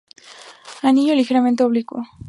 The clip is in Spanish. Anillo ligeramente oblicuo.